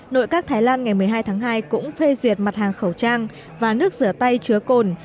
nội các thái lan ngày một mươi hai tháng hai cũng phê duyệt mặt hàng khẩu trang và nước rửa tay chứa cồn